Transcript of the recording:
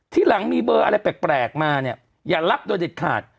ที่หลังมีเบอร์อะไรแปลกมาเนี่ยอย่ารับโดยเด็ดขาด